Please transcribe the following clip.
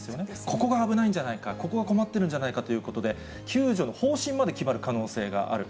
ここが危ないんじゃないか、ここが困ってるんじゃないかということで、救助の方針まで決まる可能性がある。